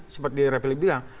seperti republik bilang